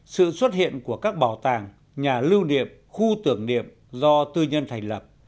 sự xuất hiện của các bảo tàng nhà lưu điệp khu tưởng niệm do tư nhân thành lập